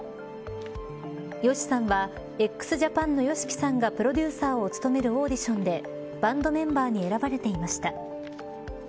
ＹＯＳＨＩさんはＸＪＡＰＡＮのＹＯＳＨＩＫＩさんがプロデューサーを務めるオーディションでバンドメンバーに選ばれていました。